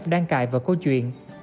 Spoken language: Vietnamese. đang cài vào câu chuyện